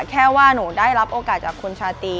แค่ว่าหนูได้รับโอกาสจากคุณชาตรี